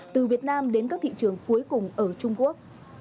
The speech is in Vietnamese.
từ việt nam đến các thị trường cuối cùng ở trung quốc